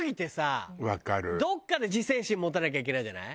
どっかで自制心持たなきゃいけないじゃない。